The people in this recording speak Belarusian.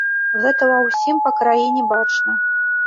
Гэта ва ўсім па краіне бачна.